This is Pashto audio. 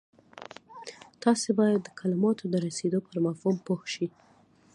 تاسې بايد د کلماتو د رسېدو پر مفهوم پوه شئ.